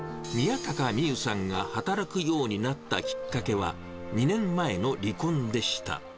宮高未有さんが働くようになったきっかけは、２年前の離婚でした。